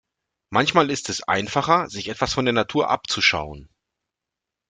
Manchmal ist es einfacher, sich etwas von der Natur abzuschauen.